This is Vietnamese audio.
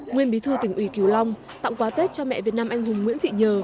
nguyên bí thư tỉnh ủy kiều long tặng quà tết cho mẹ việt nam anh hùng nguyễn thị nhờ